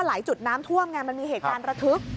หลายจุดน้ำท่วมไงมันมีเหตุการณ์ระทึก